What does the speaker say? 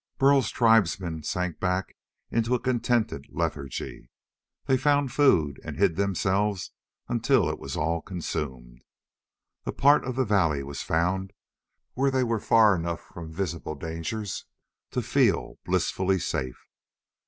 Burl's tribesmen sank back into a contented lethargy. They found food and hid themselves until it was all consumed. A part of the valley was found where they were far enough from visible dangers to feel blissfully safe.